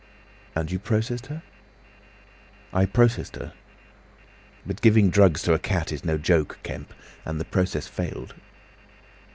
"And you processed her?" "I processed her. But giving drugs to a cat is no joke, Kemp! And the process failed."